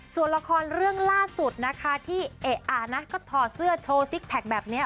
ส่วนละครเรื่องล่าสุดนะคะที่เอ๊ะอ่านนะก็ถอดเสื้อโชว์ซิกแพคแบบนี้